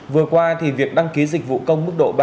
vừa qua việc đăng ký dịch vụ công mức độ ba